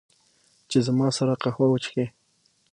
چې، زما سره قهوه وچښي